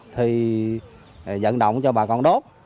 thì dẫn động cho bà con đốt